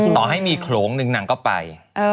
ต่อให้มีโขลงหนึ่งนางก็ไป